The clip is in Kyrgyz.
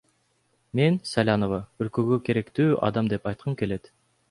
Мен Салянова – өлкөгө керектүү адам деп айткым келет.